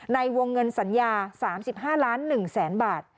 ในวงเงินสัญญา๓๕ล้าน๑แสนบาท